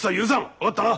分かったな？